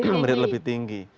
memberi rate lebih tinggi